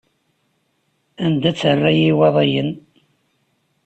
Anda-tt rraya n Iwaḍiyen?